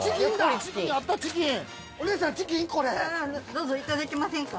どうぞいただきませんか？